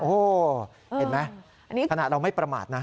โอ้เห็นไหมถนัดเราไม่ประมาทนะ